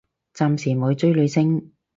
暫時冇追女星